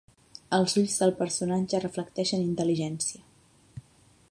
Els ulls del personatge reflecteixen intel·ligència.